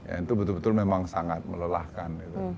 ya itu betul betul memang sangat melelahkan